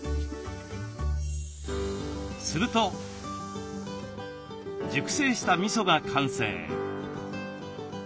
すると熟成したみそが完成。